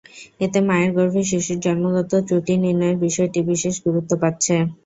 এতে মায়ের গর্ভে শিশুর জন্মগত ত্রুটি নির্ণয়ের বিষয়টি বিশেষ গুরুত্ব পাচ্ছে।